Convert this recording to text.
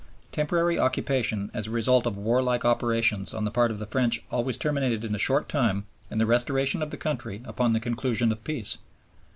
Temporary occupation as a result of warlike operations on the part of the French always terminated in a short time in the restoration of the country upon the conclusion of peace.